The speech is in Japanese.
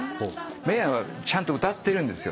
メイヤはちゃんと歌ってるんですよ。